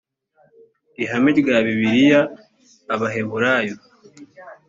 ihame rya bibiliya abaheburayo